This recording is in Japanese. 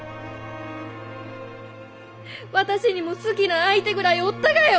私にも好きな相手ぐらいおったがよ！